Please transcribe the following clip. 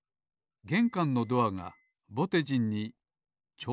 げんかんのドアがぼてじんにちょうどのサイズ。